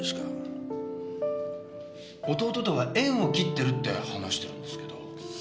弟とは縁を切ってるって話してるんですけど。